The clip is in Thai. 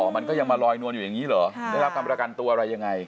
มันก็ยังมาลอยนวลอยู่อย่างนี้เหรอได้รับการประกันตัวอะไรยังไง